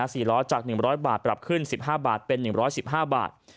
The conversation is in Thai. สี่ล้อจาก๑๐๐บาทปรับขึ้น๑๕บาทเป็น๑๑๕บาท